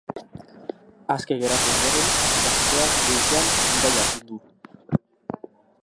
Aske geratu ondoren, gazteak goizean bidaia egin du.